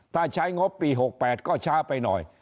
ถ้าใช้งบปี๖๘ก็ช้าไปหน่อย